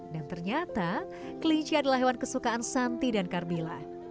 dan ternyata kelinci adalah hewan kesukaan santi dan karmila